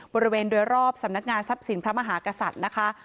บริเวณโดยรอบสำนักงานทรัพย์สินพระมหากษัตริย์นะคะ